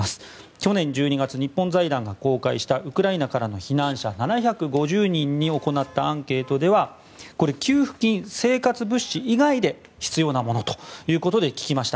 去年１２月、日本財団が公開したウクライナからの避難者７５０人に行ったアンケートでは給付金、生活物資以外で必要なもので聞きました。